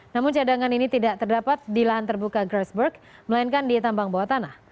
namun cadangan ini tidak terdapat di lahan terbuka grassberg melainkan di tambang bawah tanah